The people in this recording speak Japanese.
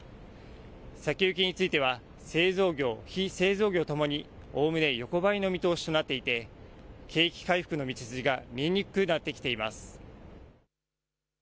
先行きについては製造業、非製造業ともにおおむね横ばいの見通しとなっていて景気回復の道筋が見えにくくなってきています。